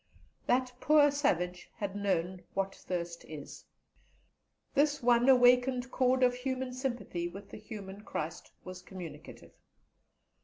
That poor savage had known what thirst is. This one awakened chord of human sympathy with the human Christ was communicative.